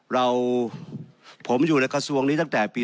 เราผมอยู่ในกระทรวงนี้ตั้งแต่ปี๒๕